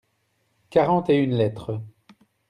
quarante et une lettres.